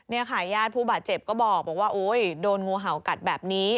นี่ค่ะญาติผู้บาดเจ็บก็บอกว่าโอ๊ยโดนงูเห่ากัดแบบนี้